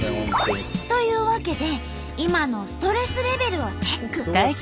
というわけで今のストレスレベルをチェック。